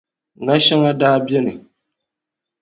Ŋa shɛŋa daa beni,